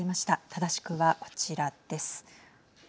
正しくは、こちらです。